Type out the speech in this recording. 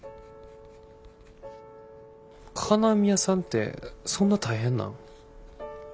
金網屋さんってそんな大変なん？